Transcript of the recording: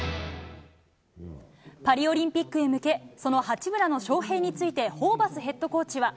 パリオリンピックへ向け、その八村の招へいについて、ホーバスヘッドコーチは。